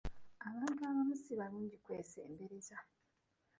Abantu abamu si balungi kwesembereza.